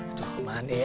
aduh mana ya